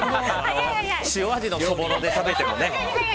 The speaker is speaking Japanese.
塩味のそぼろで食べてもね。